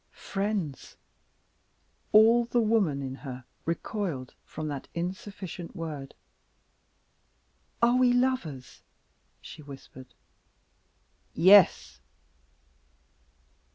Friends? All the woman in her recoiled from that insufficient word. "Are we Lovers?" she whispered. "Yes!"